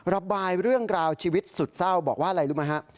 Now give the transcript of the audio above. ระบายเรื่องราวชีวิตสุดเศร้าบอกว่าอะไรรู้ไหมฮะ